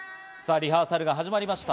リハーサルが始まりました。